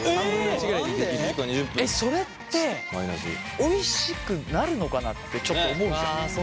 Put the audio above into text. それっておいしくなるのかなってちょっと思うじゃない。